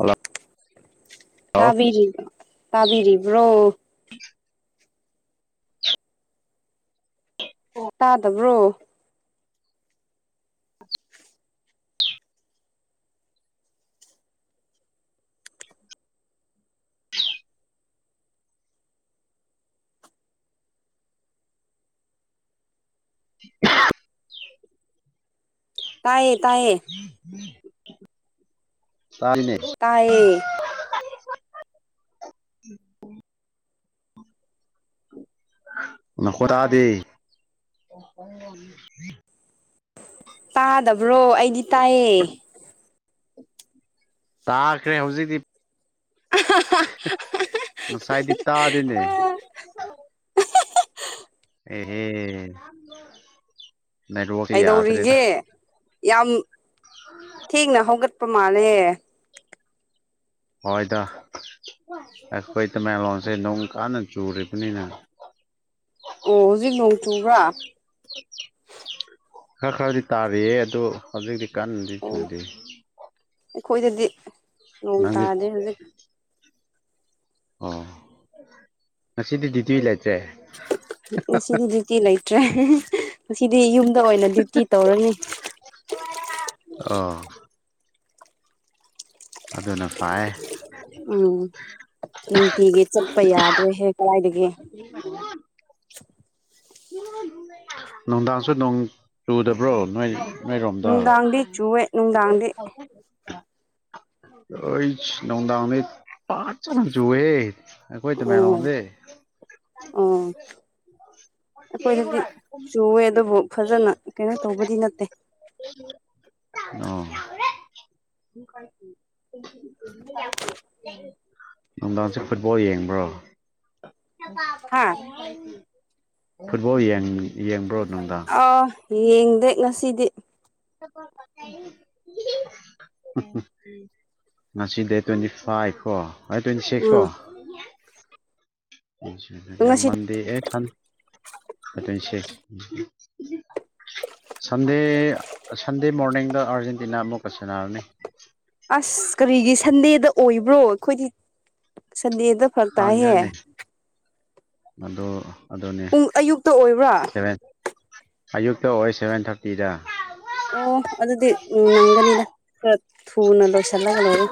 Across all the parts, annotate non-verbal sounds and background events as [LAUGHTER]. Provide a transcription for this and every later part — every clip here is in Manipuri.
ꯍ ꯇꯥꯕꯤꯔꯤꯕ ꯇꯥꯕꯤꯔꯤꯕ꯭ꯔꯣ ꯎ ꯑꯣ ꯇꯥꯗꯕ꯭ꯔꯣ ꯎ ꯇꯥꯏꯌꯦ ꯇꯥꯏꯌꯦ ꯇꯥꯖꯃꯦ ꯇꯌꯦ ꯈꯣꯗꯥꯗꯦ ꯑꯣ ꯇꯥꯗꯕ꯭ꯔꯣ ꯑꯩꯗꯤ ꯇꯥꯏꯌꯦ ꯇꯥꯈ꯭ꯔꯦ ꯍꯧꯖꯤꯛꯇꯤ ꯉꯁꯥꯏꯗꯤ ꯇꯥꯗꯦꯅꯦ ꯑꯦꯍꯦ ꯅꯦꯠꯋꯥꯛꯁꯦ ꯌꯥꯗ꯭ꯔꯦꯗ ꯀꯩꯗꯧꯔꯤꯒꯦ ꯌꯥꯝ ꯊꯦꯡꯅ ꯍꯧꯒꯠꯄ ꯃꯥꯜꯂꯦ ꯍꯣꯏꯗ ꯑꯩꯈꯣꯏ ꯇꯃꯦꯡꯂꯂꯣꯟꯁꯦ ꯅꯨꯡ ꯀꯥꯟꯅ ꯆꯨꯔꯤꯕꯅꯤꯅ ꯑꯣ ꯍꯧꯖꯤꯛ ꯅꯣꯡ ꯆꯨꯕ꯭ꯔꯥ ꯈꯔ ꯈꯔꯗꯤ ꯇꯥꯔꯤꯌꯦꯦ ꯑꯗꯨ ꯍꯧꯖꯤꯛꯇꯤ ꯀꯟꯅꯗꯤ ꯑꯣ ꯆꯨꯗꯦ ꯑꯩꯈꯣꯏꯗꯗꯤ ꯅꯣꯡ ꯅꯪꯗꯤ ꯇꯥꯗꯦ ꯍꯧꯖꯤꯛ ꯑꯣ ꯉꯁꯤꯗꯤ ꯗꯤꯗꯤ ꯂꯩꯇ꯭ꯔꯦ ꯉꯁꯤꯗꯤ ꯗ꯭ꯌꯨꯇꯤ ꯂꯩꯇ꯭ꯔꯦ ꯉꯁꯤꯗꯤ ꯌꯨꯝꯗ ꯑꯣꯏꯅ ꯗ꯭ꯌꯨꯇꯤ ꯇꯧꯔꯅꯤ ꯑ ꯑꯗꯨꯅ ꯐꯩ ꯎꯝ ꯅꯨꯡꯇꯤꯒꯤ ꯆꯠꯄ ꯌꯥꯗ꯭ꯔꯦꯍꯦ ꯀꯗꯥꯏꯗꯒꯤ [UNINTELLIGIBLE] ꯅꯨꯡꯗꯥꯡꯁꯨ ꯅꯣꯡ ꯆꯨꯗꯕ꯭ꯔꯣ ꯅ ꯅꯣꯏꯔꯣꯝꯗ ꯅꯨꯡꯗꯥꯡꯗꯤ ꯆꯨꯋꯦ ꯅꯨꯡꯗꯥꯡꯗꯤ ꯍ ꯑꯩ ꯅꯣꯗꯥꯅꯤ ꯄꯥꯆꯝ ꯨꯋ ꯑꯣ ꯑ ꯑꯩꯈꯣꯏꯗꯗꯤ ꯆꯨꯋꯦ ꯑꯗꯨꯕꯨ ꯐꯖꯅ ꯀꯩꯅꯣ ꯇꯧꯕꯗꯤ ꯅꯠꯇꯦ [UNINTELLIGIBLE] ꯅꯨꯡꯗꯥꯡꯁꯦ ꯐꯨꯠꯕꯣꯜ ꯌꯦꯡꯕ꯭ꯔꯣ ꯍꯥꯥ ꯎ ꯐꯨꯠꯕꯣꯜ ꯌꯦꯡꯕ꯭ꯔꯣ ꯅꯨꯡꯗꯥꯡ ꯑꯥ ꯌꯦꯡꯗꯦ ꯉꯁꯤꯗꯤ [UNINTELLIGIBLE] ꯉꯁꯤꯗꯤ ꯇ꯭ꯋꯦꯟꯇꯤ ꯐꯥꯏꯚ ꯀꯣ ꯇ꯭ꯋꯦꯟꯇꯤ ꯁꯤꯛꯁ ꯀꯣ ꯎꯝ ꯉꯁꯤ ꯃꯗꯤ ꯁꯟ ꯑꯁꯦ ꯁꯟꯗꯦ ꯁꯟꯗꯦ ꯃꯣꯔꯅꯤꯡꯗ ꯑꯥꯔꯖꯦꯟꯇꯤꯅꯥ ꯑꯃꯨꯛꯀ ꯁꯦꯟꯅꯔꯅꯤ ꯑꯁ ꯀꯔꯤꯒꯤ ꯁꯟꯗꯦꯗ ꯑꯣꯏꯕ꯭ꯔꯣ ꯑꯩꯈꯣꯏꯗꯤ ꯁꯗꯤꯗ ꯍꯥꯡꯗꯔꯅꯦ ꯑꯗꯣ ꯄꯨꯡ ꯑꯌꯨꯛꯇ ꯑꯣꯏꯕ꯭ꯔꯥ ꯑꯌꯨꯛꯇ ꯑꯣꯏ ꯁꯚꯦꯟ ꯊꯥꯔꯇꯤꯗ ꯑꯣ ꯑꯗꯨꯗꯤ ꯎ ꯅꯪꯒꯅꯤꯗ ꯈꯔ ꯊꯨꯅ ꯂꯣꯏꯁꯤꯜꯂꯒ ꯂꯣꯏꯔꯣꯏ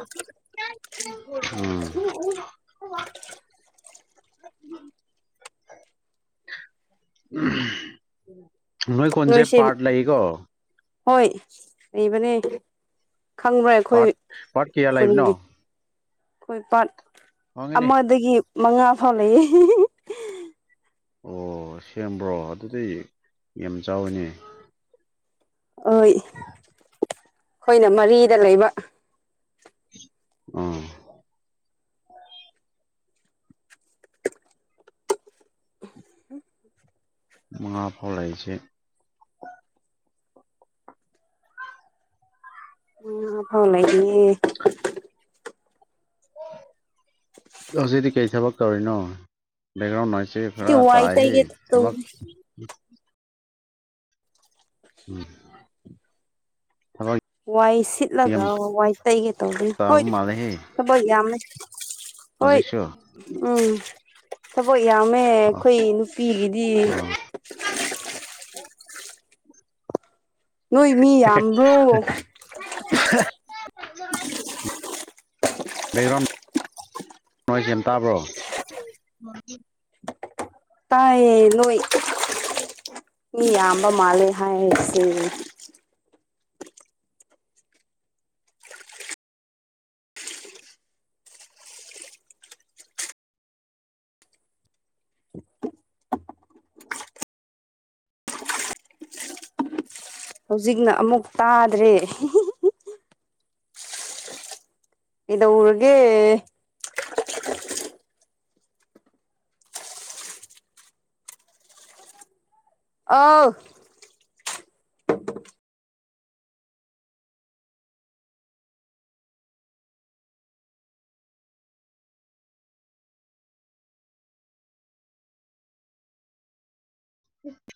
[UNINTELLIGIBLE] [UNINTELLIGIBLE] ꯎꯝ ꯅꯣꯏ ꯀꯣꯟꯁꯦ ꯅꯣꯏꯁꯦ ꯄꯥꯔꯠ ꯂꯩꯀꯣ ꯍꯣꯏ ꯂꯩꯕꯅꯦ ꯈꯪꯕ꯭ꯔꯥ ꯑꯩꯈꯣꯏ ꯄꯥꯔꯠ ꯄꯥꯔꯠ ꯀꯌꯥ ꯂꯩꯕꯅꯣ ꯈꯨꯟꯒꯤ ꯑꯩꯈꯣꯏ ꯄꯥꯠ ꯍꯣꯡꯉꯤꯅꯦ ꯑꯃꯗꯒꯤ ꯃꯉꯥ ꯐꯥꯎ ꯂꯩꯌꯦ ꯑꯣ ꯁꯦꯝꯕ꯭ꯔꯣ ꯑꯗꯨꯗꯤꯩ ꯌꯥꯝ ꯆꯥꯎꯋꯤꯅꯦ ꯍꯣꯏ ꯑꯩꯈꯣꯏꯅ ꯃꯔꯤꯗ ꯂꯩꯕ ꯎꯝ ꯃꯉꯥ ꯐꯥꯎ ꯂꯩꯥꯏꯁꯦ ꯑ ꯐꯥꯎ ꯂꯩꯔꯤꯌꯦ ꯍꯧꯖꯤꯗꯤ ꯀꯩ ꯊꯕ ꯀꯧꯔꯤ ꯅ ꯦꯛꯒ꯭ꯔꯥꯎꯟ ꯅ ꯁꯦ ꯋꯥꯏ ꯐꯔꯥꯇꯑ ꯇꯩꯒꯦ ꯇꯧꯔꯤ ꯊꯕꯛ ꯎꯝ ꯊꯕꯛ ꯋꯥꯏ ꯌꯥꯝ ꯁꯤꯠꯂꯒ ꯋꯥꯏ ꯇꯩꯒꯦ ꯇꯧꯕꯒꯅꯤ ꯇꯥꯕ ꯍꯣꯏ ꯃꯥꯜꯂꯦꯍꯦ ꯊꯕꯛ ꯌꯥꯝꯃꯦ ꯍꯣꯏ ꯍꯧꯖꯤꯛꯁꯨ ꯎꯝ ꯊꯕꯛ ꯌꯥꯝꯃꯦ ꯑꯥ ꯑꯩꯈꯣꯏ ꯅꯨꯄꯤꯒꯤꯗꯤ ꯑꯥ ꯅꯣꯏ ꯃꯤ ꯌꯥꯝꯕ꯭ꯔꯣ [INAUDIBLE] [INAUDIBLE] ꯂꯩꯔꯣꯟ ꯅꯣꯏ ꯁꯦꯝ ꯇꯥꯕ꯭ꯔꯣ ꯇꯥꯏꯌꯦ ꯅꯣꯏ ꯃꯤ ꯌꯥꯝꯕ ꯃꯥꯜꯂꯦ ꯍꯥꯏꯔꯁꯦ ꯍꯧꯖꯤꯛꯅ ꯑꯃꯨꯛ ꯇꯥꯗ꯭ꯔꯦ ꯀꯩꯗꯧꯔꯒꯦ ꯑꯥꯐ [UNINTELLIGIBLE]